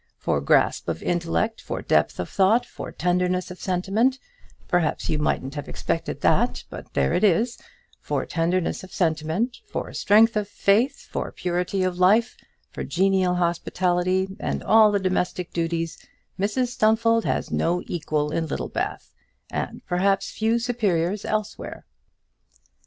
For grasp of intellect, for depth of thought, for tenderness of sentiment perhaps you mightn't have expected that, but there it is for tenderness of sentiment, for strength of faith, for purity of life, for genial hospitality, and all the domestic duties, Mrs Stumfold has no equal in Littlebath, and perhaps few superiors elsewhere."